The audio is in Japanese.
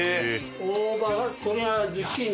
大葉これはズッキーニ。